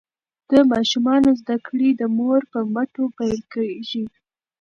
د ماشومانو زده کړې د مور په مټو پیل کیږي.